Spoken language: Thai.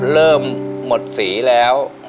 เริ่มหมดสีแล้ว